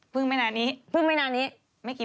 เพิ่งเมื่อนานนี้เพิ่งเมื่อนานนี้